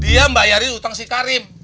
dia bayarin utang si karim